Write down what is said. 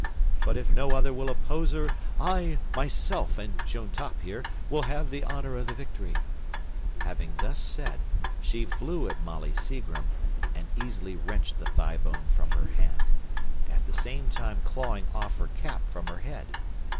But if no other will oppose her, I myself and Joan Top here will have the honour of the victory." Having thus said, she flew at Molly Seagrim, and easily wrenched the thigh bone from her hand, at the same time clawing off her cap from her head.